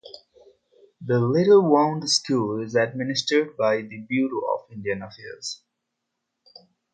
The Little Wound School is administered by the Bureau of Indian Affairs.